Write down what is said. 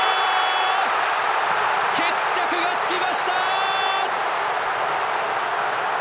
決着がつきました！